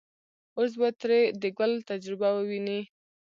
اوس به ترې د ګل تجربه وويني.